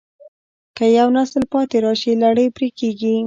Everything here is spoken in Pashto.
که یو نسل پاتې راشي، لړۍ پرې کېږي.